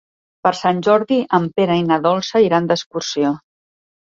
Per Sant Jordi en Pere i na Dolça iran d'excursió.